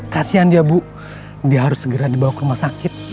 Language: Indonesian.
kasian dia bu dia harus segera dibawa ke rumah sakit